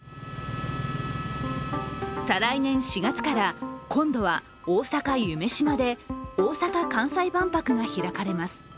再来年４月から、今度は大阪・夢洲で大阪・関西万博が開かれます。